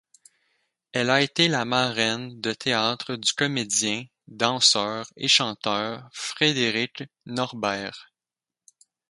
Elle a été la marraine de théâtre du comédien, danseur et chanteur Frédéric Norbert.